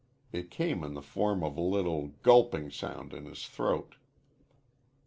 It came in the form of a little gulping sound in his throat.